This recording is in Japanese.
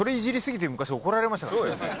そうよね。